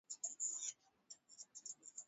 Kaskazini Miji yake muhimu zaidi ni pamoja